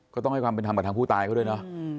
ก็ต้องให้ความเป็นธรรมกับทางผู้ตายเขาด้วยเนอะ